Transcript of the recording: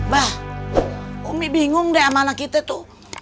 bah umi bingung deh sama anak kita tuh